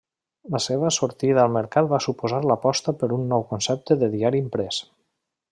La seva sortida al mercat va suposar l'aposta per un nou concepte de diari imprès.